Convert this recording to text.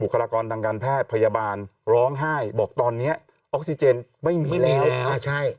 ลากรทางการแพทย์พยาบาลร้องไห้บอกตอนนี้ออกซิเจนไม่มีแล้ว